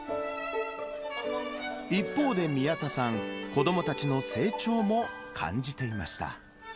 一方で宮田さん、子どもたちの成長も感じていました。